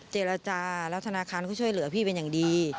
เจรจาแล้วธนาคารก็ช่วยเหลือพี่เป็นอย่างดี